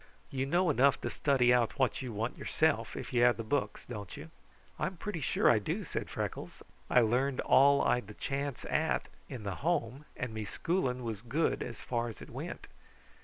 "You know enough to study out what you want yourself, if you have the books; don't you?" "I am pretty sure I do," said Freckles. "I learned all I'd the chance at in the Home, and me schooling was good as far as it went.